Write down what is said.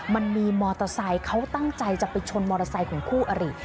มันมีมอเตอร์ไซค์เขาตั้งใจจะไปชนมอเตอร์ไซค์ของคู่อริ